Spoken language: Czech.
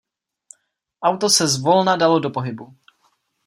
Auto se zvolna dalo do pohybu.